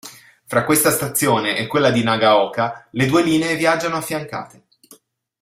Fra questa stazione e quella di Nagaoka le due linee viaggiano affiancate.